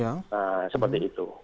nah seperti itu